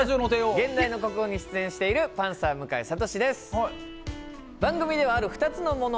「現代の国語」に出演しているパンサー向井慧です。